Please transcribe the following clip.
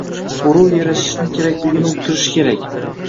G‘urur yarashishi kerakligini uqtirishlari kerak.